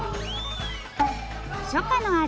初夏の味